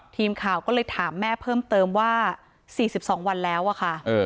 ทีมข่าวก็เลยถามแม่เพิ่มเติมว่า๔๒วันแล้วอะค่ะ